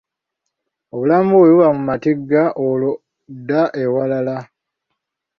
Obulamu bwo bwe buba mu matigga olwo dda ewalala.